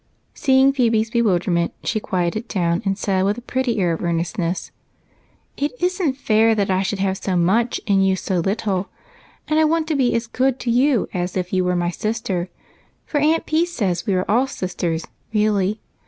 Seeing Phebe's bewilderment, she quieted down and said, with a pretty air of earnestness, —" It is n't fair that I should have so much and you so little, and I want to be as good to you as if you were my sister, for Aunt Peace says we are all sisters really.